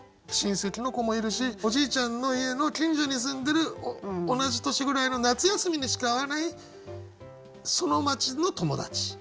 親戚の子もいるしおじいちゃんの家の近所に住んでる同じ年くらいの夏休みにしか会わないその町の友達。